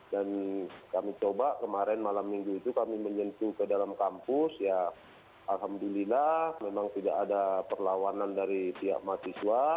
dan kami coba kemarin malam minggu itu kami menyentuh ke dalam kampus ya alhamdulillah memang tidak ada perlawanan dari pihak mahasiswa